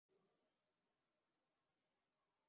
মদীনার আনসারদের একজন হওয়ার কারণে তাঁকে আনসারী বলা হয়।